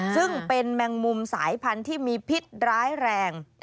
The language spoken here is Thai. ซึ่งเป็นแมงมุมสายพันธุ์ที่มีพิษร้ายแรง